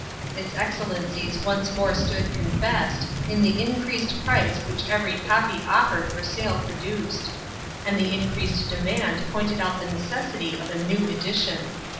Its excellencies once more stood confessed, in the increased price which every copy offered for sale produced; and the increased demand pointed out the necessity of a new edition.